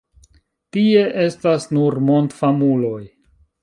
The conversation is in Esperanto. Tie estas nur mondfamuloj.